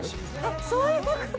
そういうこと！？